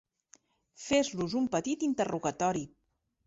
Fes-los un petit interrogatori.